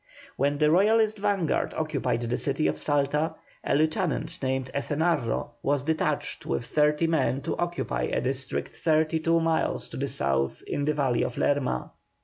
When the Royalist vanguard occupied the city of Salta a lieutenant, named Ezenarro, was detached with thirty men to occupy a district thirty two miles to the south in the valley of Lerma.